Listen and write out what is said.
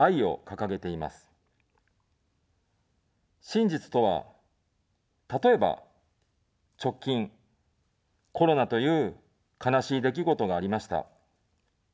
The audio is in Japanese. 真実とは、例えば、直近、コロナという悲しい出来事がありました。